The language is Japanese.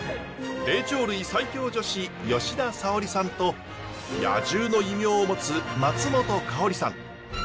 霊長類最強女子吉田沙保里さんと野獣の異名を持つ松本薫さん。